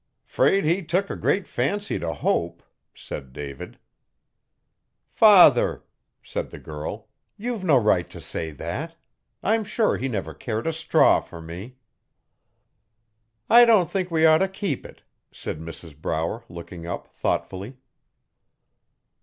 ''Fraid he took a great fancy t' Hope,' said David. 'Father,' said the girl, you've no right to say that. I'm sure he never cared a straw for me.' 'I don't think we ought to keep it,' said Mrs Brower, looking up thoughtfully.